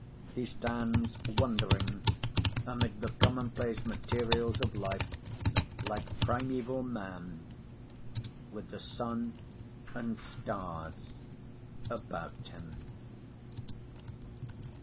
He stands wondering, amid the commonplace materials of life, like primæval man, with the sun and stars about him.